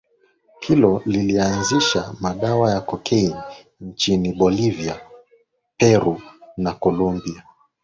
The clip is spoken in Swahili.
hilo lilizalisha madawa ya Cocaine nchinin Bolivia Peru na Colombia